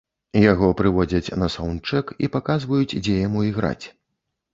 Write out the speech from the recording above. Яго прыводзяць на саўндчэк і паказваюць, дзе яму іграць.